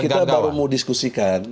kita baru mau diskusikan